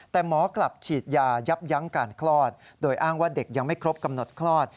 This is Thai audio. แต่หมอกลับฉีดยายับยั้งการคลอดโดยอ้างว่าเด็กยังไม่ครบกำหนดคลอด